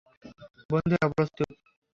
বন্ধুরা, প্রস্তুত?